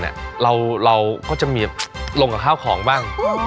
โชว์ของแฟนเราก็จะเอาวงกับข้าวของบ้าง